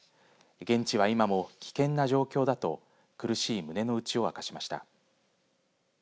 現地は今も危険な状況だと苦しい胸の内を明かしました。